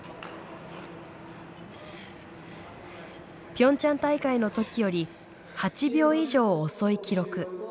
ピョンチャン大会の時より８秒以上遅い記録。